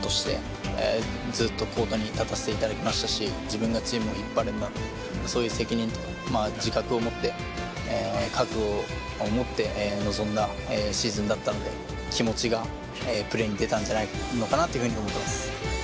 自分がチームを引っ張るんだそういう責任とか自覚を持って覚悟を持って臨んだシーズンだったので気持ちがプレーに出たんじゃないのかなというふうに思ってます。